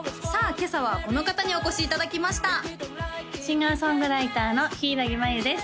今朝はこの方にお越しいただきましたシンガーソングライターのひいらぎ繭です